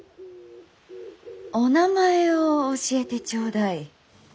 お名前を教えてちょうだい。